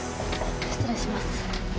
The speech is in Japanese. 失礼します。